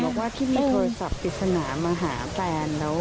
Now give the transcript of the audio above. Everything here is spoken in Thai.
ว่าที่มีโทรศัพท์ปริศนามาหาแฟนแล้ว